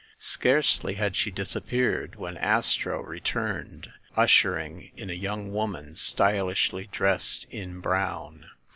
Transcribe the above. Scarcely had she disappeared wHen Astro returned, ushering in a young woman stylishly dressed in brown.